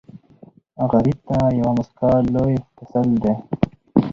غریب ته یوه موسکا لوی تسل دی